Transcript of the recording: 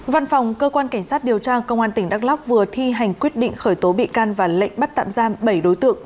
văn phòng cơ quan cảnh sát điều tra công an tỉnh đắk lóc vừa thi hành quyết định khởi tố bị can và lệnh bắt tạm giam bảy đối tượng